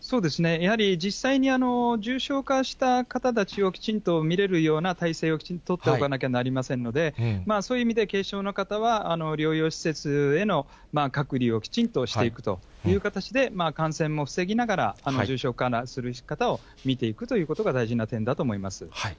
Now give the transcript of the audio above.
やはり、実際に重症化した方たちをきちんと診れるような体制をきちっと取っておかなきゃなりませんので、そういう意味で、軽症の方は療養施設への隔離をきちんとしていくという形で、感染も防ぎながら、重症化する方を診ていくということが大事な点だと思います。